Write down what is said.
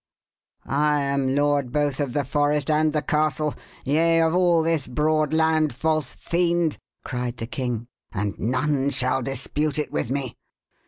"I am lord both of the forest and the castle yea, of all this broad land, false fiend!" cried the king, "and none shall dispute it with me.